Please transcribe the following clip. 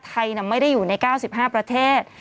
ไทยไม่ได้อยู่ใน๙๕ประเทศ